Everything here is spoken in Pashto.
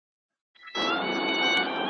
لا یې تنده ورځ په ورځ پسي زیاتیږي .